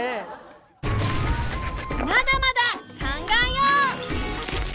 まだまだ考えよ！